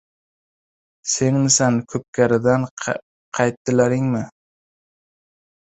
Senmisan? Ko‘pkaridan qaytdilaringmi?